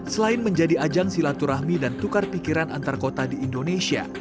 selain menjadi ajang silaturahmi dan tukar pikiran antar kota di indonesia